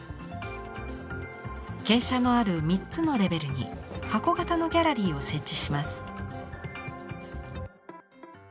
傾斜のある３つのレベルに箱型のギャラリーを設置します。